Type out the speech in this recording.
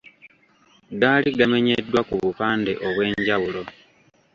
Gaali gamenyeddwa ku bupande obw’enjawulo.